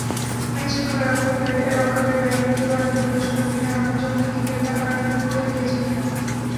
আইনশৃঙ্খলা রক্ষাকারী বাহিনী অতীতে অনেক দুর্ধর্ষ জঙ্গিকে গ্রেপ্তার করার কৃতিত্ব দেখিয়েছে।